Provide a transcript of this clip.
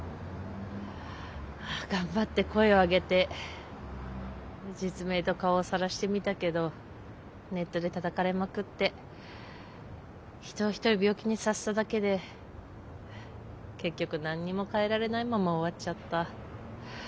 頑張って声を上げて実名と顔をさらしてみたけどネットでたたかれまくって人を一人病気にさせただけで結局何にも変えられないまま終わっちゃった。